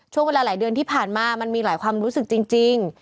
ช่วงเวลาหลายเดือนที่ผ่านมามันมีหลายความรู้สึกจริง